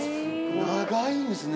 長いんですね！